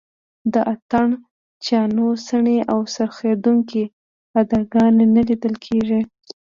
د اتڼ چیانو څڼې او څرخېدونکې اداګانې نه لیدل کېږي.